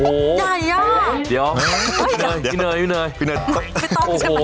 โอ้โห